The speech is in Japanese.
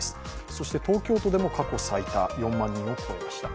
そして東京都でも過去最多、４万人を超えました。